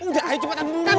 udah ayo cepetan dulu